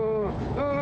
うん！